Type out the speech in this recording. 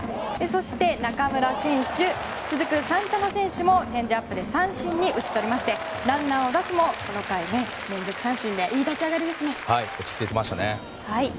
そして、中村選手と続くサンタナ選手もチェンジアップで三振に打ち取りましてランナーを出すも連続三振でいい立ち上がりでした。